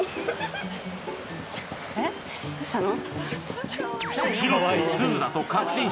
えっどうしたの？